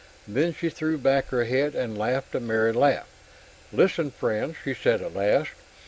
Then she threw back her head and laughed a merry laugh. "Listen, friend," she said at last.